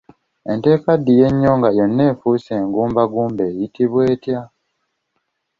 Ente ekaddiye ennyo nga yonna efuuse ngumbagumba eyitibwa etya?